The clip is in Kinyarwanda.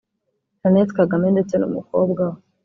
Jeannette Kagame ndetse n’umukobwa we